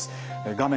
画面